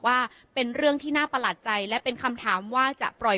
ว่าเป็นเรื่องที่น่าประหลาดใจและเป็นคำถามว่าจะปล่อย